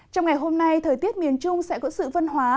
trong ngày hôm nay thời tiết miền trung sẽ có sự vân hóa